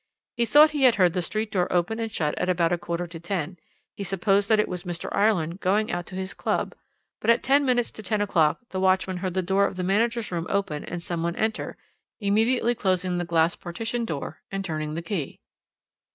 He thought he had heard the street door open and shut at about a quarter to ten; he supposed that it was Mr. Ireland going out to his club, but at ten minutes to ten o'clock the watchman heard the door of the manager's room open, and some one enter, immediately closing the glass partition door and turning the key.